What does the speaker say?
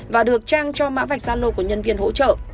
và được trang cho mã vạch gia lộ của nhân viên hỗ trợ